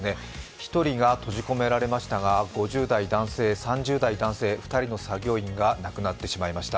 １人が閉じ込められましたが５０代男性、３０代男性、２人の作業員が亡くなってしまいました。